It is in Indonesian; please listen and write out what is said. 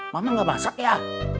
mama gak masak ya